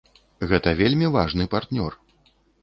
Гэта вельмі важны партнёр.